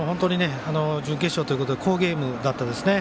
準決勝ということで好ゲームだったですね。